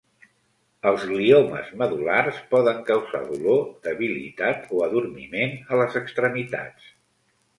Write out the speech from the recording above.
Els gliomes medul·lars poden causar dolor, debilitat o adormiment a les extremitats.